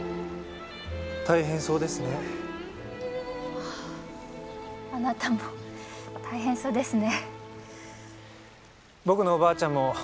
あああなたも大変そうですね。